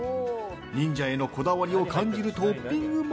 忍者へのこだわりを感じるトッピングも。